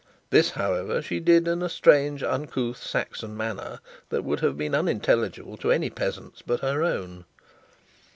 This, however, she did in a strange uncouth Saxon manner, that would have been unintelligible to any peasants but her own.